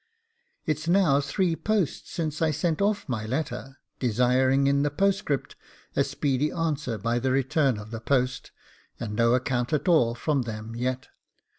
It's now three posts since I sent off my letter, desiring in the postscript a speedy answer by the return of the post, and no account at all from them yet.